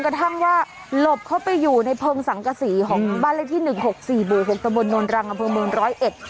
กระทั่งว่าหลบเข้าไปอยู่ในเพลิงสังกษีของบ้านละที่๑๖๔บ๖ตมนรังกับเพลิง๑๐๑